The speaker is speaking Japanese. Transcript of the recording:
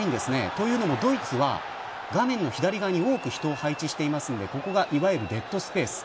というのもドイツは画面の左側に多く人を配置しているのでいわゆるここがデッドスペース。